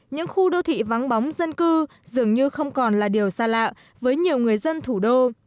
những khu đô thị vắng bóng dân cư dường như không còn là điều xa lạ với nhiều người dân thủ đô